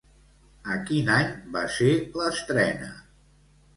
A quin any va ser l'estrena?